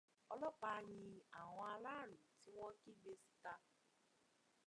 Ọlọ̀pàá yin àwọn aráàlú tí wọ́n kígbe síta.